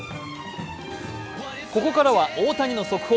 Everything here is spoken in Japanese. ここからは大谷の速報。